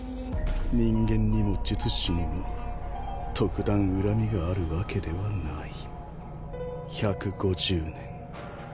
人間にも術師にも特段恨みがあるわけではない。